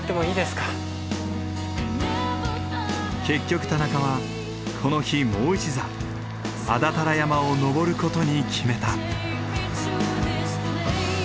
結局田中はこの日もう一座安達太良山を登る事に決めた。